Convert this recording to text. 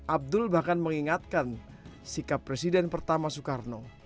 abdul bahkan mengingatkan sikap presiden pertama soekarno